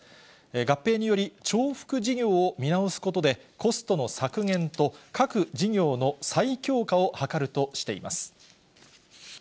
合併により、重複事業を見直すことで、コストの削減と、各事業の再強化を図るとしています。